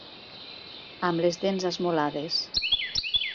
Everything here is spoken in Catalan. Amb les dents esmolades.